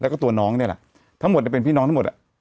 แล้วก็ตัวน้องเนี่ยแหละทั้งหมดเนี่ยเป็นพี่น้องทั้งหมด